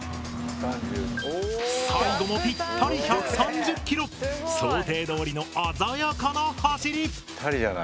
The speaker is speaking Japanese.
最後もぴったり想定どおりの鮮やかな走り！